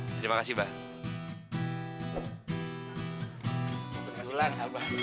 terima kasih abah